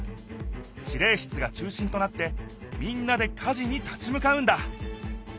指令室が中心となってみんなで火事に立ち向かうんだ